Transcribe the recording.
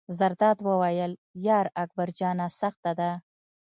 زرداد وویل: یار اکبر جانه سخته ده.